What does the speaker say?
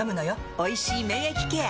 「おいしい免疫ケア」！